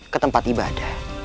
ke tempat ibadah